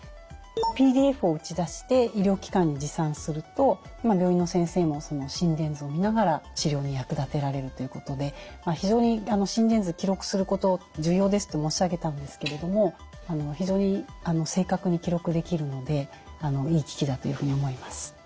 ＰＤＦを打ち出して医療機関に持参すると病院の先生もその心電図を見ながら治療に役立てられるということで非常に心電図記録すること重要ですと申し上げたんですけれども非常に正確に記録できるのでいい機器だというふうに思います。